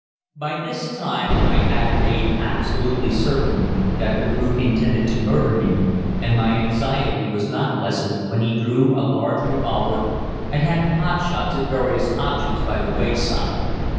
By this time I had made absolutely certain that the brute intended to murder me, and my anxiety was not lessened when he drew a large revolver and had pot shots at various objects by the wayside.